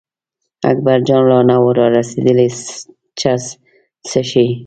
اکبرجان لا نه و را رسېدلی چرس څښي.